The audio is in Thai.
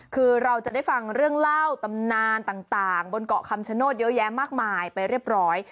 คือเราจะได้ฟังเรื่องเล่าตำนานต่างบนเกาะคำชโนธเยอะแยะมากมายไปเรียบร้อย